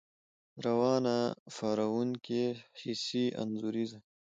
روانه، پارونکې، ، حسي، انځوريزه